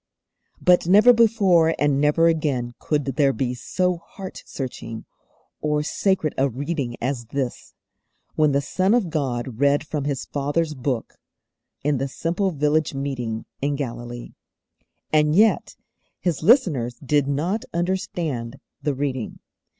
But never before and never again could there be so heart searching or sacred a reading as this, when the Son of God read from His Father's Book in the simple village meeting in Galilee. And yet His listeners did not understand the reading.